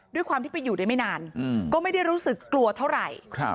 ด้วยความที่ไปอยู่ได้ไม่นานก็ไม่ได้รู้สึกกลัวเท่าไหร่